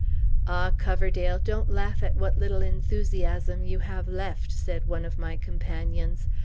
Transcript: "Ah, Coverdale, don't laugh at what little enthusiasm you have left!" said one of my companions.